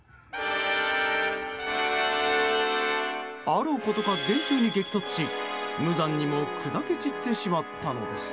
あろうことか電柱に激突し無残にも砕け散ってしまったのです。